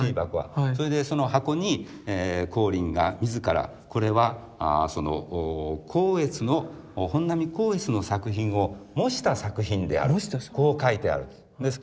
それでその箱に光琳が自らこれは光悦の本阿弥光悦の作品を模した作品であるこう書いてあるんです。